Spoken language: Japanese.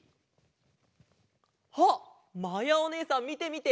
あっまやおねえさんみてみて！